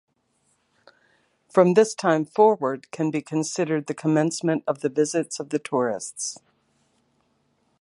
From this time forward can be considered the commencement of the visits of tourists.